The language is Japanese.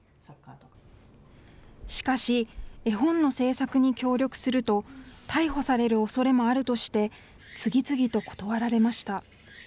しかし、絵本の制作に協力すると、逮捕されるおそれもあるとして、次々と断られました。